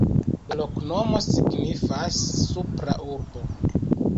La loknomo signifas: Supra Urbo.